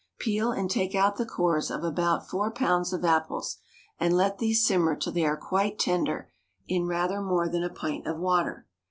Peel and take out the cores of about four pounds of apples, and let these simmer till they are quite tender in rather more than a pint of water.